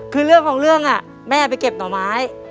คือเรื่องของเรื่องแม่ไปเก็บหน่อไม้